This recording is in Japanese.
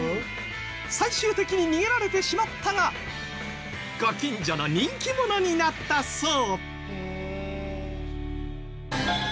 最終的に逃げられてしまったがご近所の人気者になったそう。